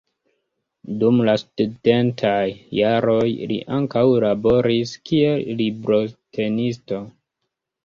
Dum la studentaj jaroj li ankaŭ laboris kiel librotenisto.